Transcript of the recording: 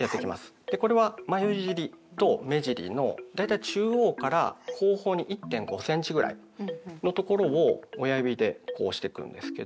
これは眉尻と目尻のだいたい中央から後方に１．５ｃｍぐらいのところを親指でこう押してくんですけど。